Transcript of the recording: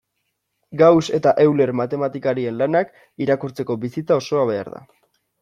Gauss eta Euler matematikarien lanak irakurtzeko bizitza osoa behar da.